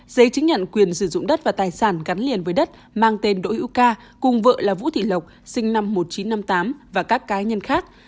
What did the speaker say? giấy chứng nhận quyền sử dụng đất và tài sản gắn liền với đất mang tên đỗ hữu ca cùng vợ là vũ thị lộc sinh năm một nghìn chín trăm năm mươi tám và các cá nhân khác